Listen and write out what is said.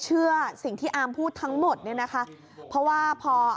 แล้วมันก็ยิงมาปุ๊บไอ้เจ้ากลับหน้าโอบนะพี่